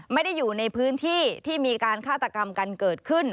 ไม่ได้อยู่ในพื้นที่ที่มีการฆาตกรรมกันเกิดขึ้น